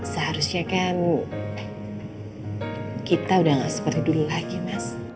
seharusnya kan kita udah gak seperti dulu lagi mas